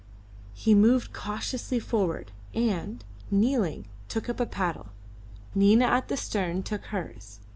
He moved cautiously forward, and, kneeling, took up a paddle; Nina at the stern took hers.